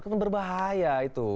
kan berbahaya itu